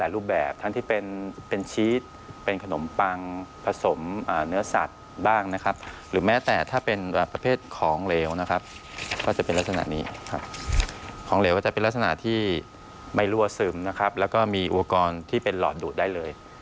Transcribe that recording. และก็มีอวการที่เป็นหลอดดุได้เลย